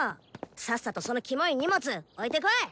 さっさとそのキモい荷物置いてこい！